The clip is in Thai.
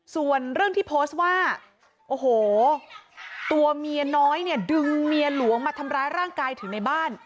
ส่วนเรื่องที่โพสต์ว่าโอ้โหตัวเมียน้อยเนี่ยดึงเมียหลวงมาทำร้ายร่างกายถึงในบ้าน